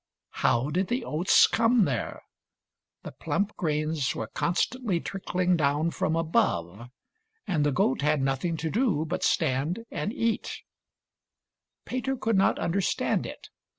How did the oats come there.? The plump grains were constantly trickling down from above, and the goat had nothing to do but stand and eat Peter could not understand it.